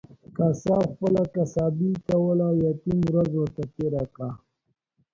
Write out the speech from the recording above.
قصاب خپله قصابي کول ، يتيم ورځ ورته تيره کړه.